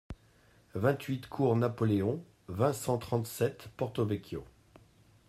vingt-huit cours Napoléon, vingt, cent trente-sept, Porto-Vecchio